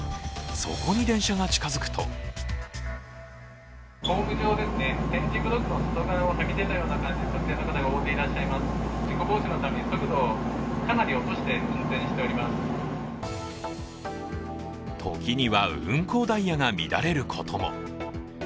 そこに電車が近づくと時には運行ダイヤが乱れることも。